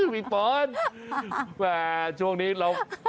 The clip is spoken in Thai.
มิคโปรดแม่ช่วงนี้เรา